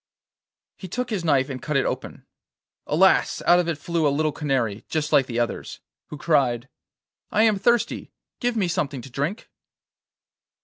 He took his knife and cut it open. Alas! out of it flew a little canary, just like the others, who cried: 'I am thirsty; give me something to drink.